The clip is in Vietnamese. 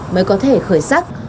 mới có thể khởi sắc